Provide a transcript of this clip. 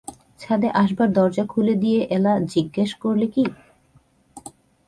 ছাদে আসবার দরজা খুলে দিয়ে এলা জিজ্ঞাসা করলে, কী।